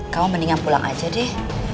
kamu mendingan pulang aja deh